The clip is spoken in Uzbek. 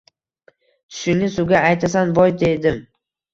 Tushingni suvga aytasan boy dedim.